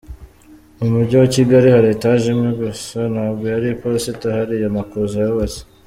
Mu Mujyi wa Kigali hari etage imwe gusa nabwo yari iposita hariya Makuza yubatse.